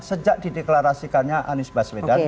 sejak dideklarasikannya anis baswedan